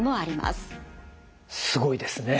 すごいですね。